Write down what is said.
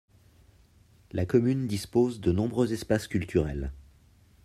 La commune dispose de nombreux espaces culturels.